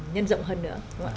nhân rộng hơn nữa